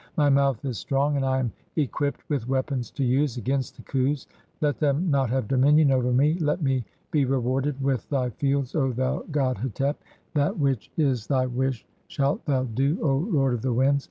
My mouth "is strong ; and I am equipped [with weapons to use] against "the Khus • let them not have dominion over me. (n) Let me "be rewarded with thy fields, O thou god Hetep ; that which is THE CHAPTER OF THE ELYSIAN FIELDS. 173 "thy wish, shalt thou do, O lord of the winds.